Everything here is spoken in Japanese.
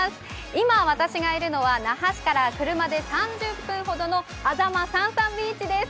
今、私がいるのは那覇市から車で３０分ほどのあざまサンサンビーチです。